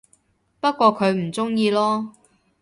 不過佢唔鍾意囉